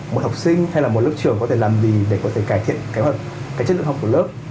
một học sinh hay là một lớp trưởng có thể làm gì để có thể cải thiện cái chất lượng học của lớp